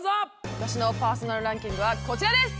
私のパーソナルランキングはこちらです。